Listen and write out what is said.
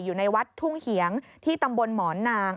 อยู่ในวัดทุ่งเหียงที่ตำบลหมอนนาง